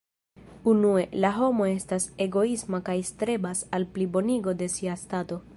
Unue, la homo estas egoisma kaj strebas al plibonigo de sia stato.